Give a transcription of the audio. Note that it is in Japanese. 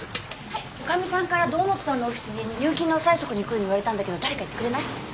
女将さんから堂本さんのオフィスに入金の催促に行くように言われたんだけど誰か行ってくれない？